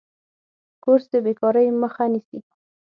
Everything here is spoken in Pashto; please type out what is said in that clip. کورس د بیکارۍ مخه نیسي.